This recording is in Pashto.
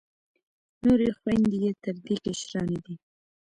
نورې خویندې یې تر دې کشرانې دي.